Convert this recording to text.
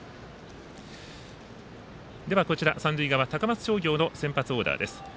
では、三塁側の高松商業の先発オーダーです。